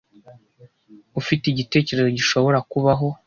Ufite igitekerezo gishobora kubaho?